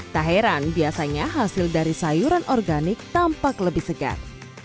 tak heran biasanya hasil dari sayuran organik tampak lebih segar